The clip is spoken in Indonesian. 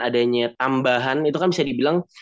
adanya tambahan itu kan bisa dibilang